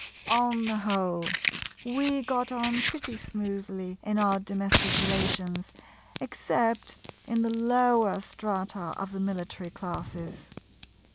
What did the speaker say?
On the whole we got on pretty smoothly in our domestic relations, except in the lower strata of the Military Classes.